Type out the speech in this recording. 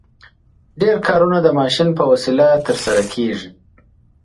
ډېر کارونه د ماشین په وسیله ترسره کیږي.